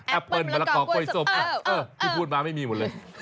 เปิ้ลมะละกอกล้วยส้มที่พูดมาไม่มีหมดเลย